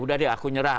udah deh aku nyerah